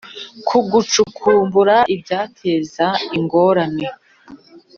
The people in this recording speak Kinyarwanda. ku gucukumbura ibyateza ingorane